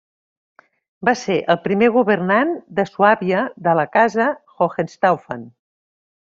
Va ser el primer governant de Suàbia de la casa Hohenstaufen.